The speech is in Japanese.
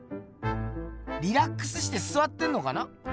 リラックスしてすわってんのかな？